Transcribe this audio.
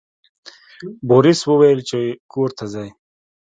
بوریس وویل چې کور ته ځئ.